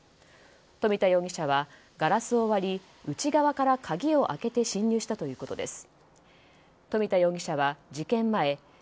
富田容疑者はガラスを割り内側から鍵を開けて侵入したということです。